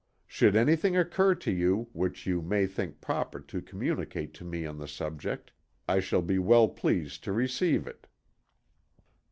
Should anything occur to you, which you may think proper to communicate to me on the subject, I shall be well pleased to receive it."